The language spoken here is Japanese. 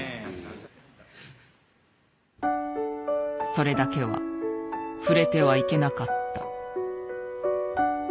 それだけは触れてはいけなかった。